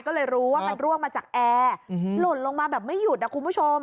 ก็เลยรู้ว่ามันร่วงมาจากแอร์หล่นลงมาแบบไม่หยุดนะคุณผู้ชม